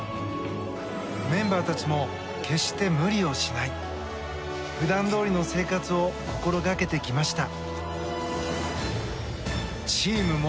メンバーたちも決して無理をしない普段どおりの生活を心がけてきました。